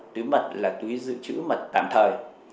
túi mật là túi giữ chữ mật tạm thời